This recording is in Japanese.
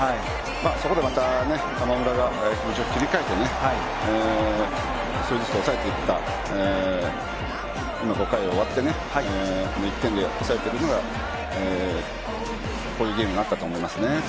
そこでまた玉村が気持ちを切り替えて１人ずつ抑えていった、今５回を終わってこの１点で抑えているのがこういうゲームになったと思いますね。